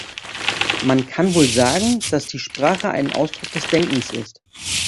Man kann wohl sagen, dass die Sprache ein Ausdruck des Denkens ist.